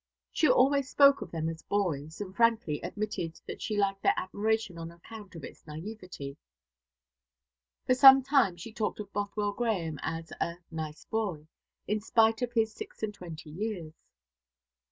She always spoke of them as "boys," and frankly admitted that she liked their admiration on account of its naïveté. For some time she talked of Bothwell Grahame as a "nice boy," in spite of his six and twenty years.